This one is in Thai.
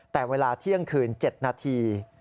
แต่เวลาเที่ยงคืน๗นาที